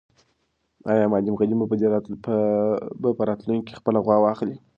آیا معلم غني به په راتلونکي کې خپله غوا واخلي؟